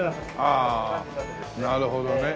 ああなるほどね。